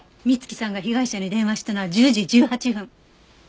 美月さんが被害者に電話したのは１０時１８分。